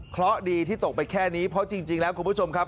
เพราะดีที่ตกไปแค่นี้เพราะจริงแล้วคุณผู้ชมครับ